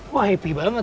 wah happy banget